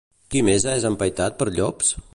Qui més és empaitat per llops?